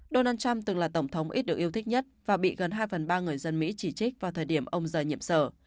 donald trump từng là tổng thống ít được yêu thích nhất và bị gần hai phần ba người dân mỹ chỉ trích vào thời điểm ông rời nhiệm sở